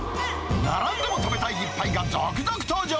並んでも食べたい一杯が続々登場。